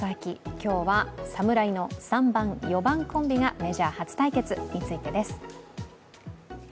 今日は侍の３番、４番コンビがメジャー初対決についてです。